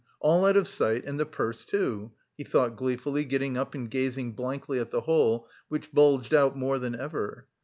All out of sight, and the purse too!" he thought gleefully, getting up and gazing blankly at the hole which bulged out more than ever.